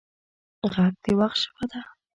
غږ د وخت ژبه ده